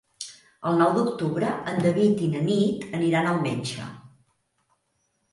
El nou d'octubre en David i na Nit aniran al metge.